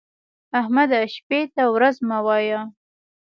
احمده! شپې ته ورځ مه وايه.